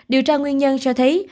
điều tra nguyên nhân cho thấy